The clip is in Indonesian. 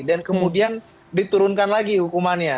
dan kemudian diturunkan lagi hukumannya